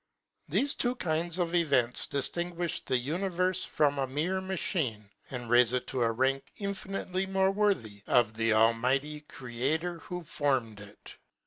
Thefe two kinds of events diftinguifh the univerfe from a mere machine, and raife it to a rank infinitely more worthy of the almighty Creator, who formed it. LIEERTY OF SPIRITS. 335 it.